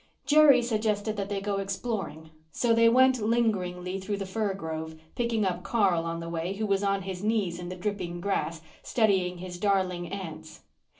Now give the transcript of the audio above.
Jerry suggested that they go exploring; so they went lingeringly through the fir grove, picking up Carl on the way, who was on his knees in the dripping grass studying his darling ants.